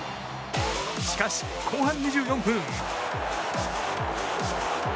しかし、後半２４分。